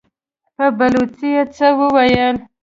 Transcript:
په بلوڅي يې څه وويل!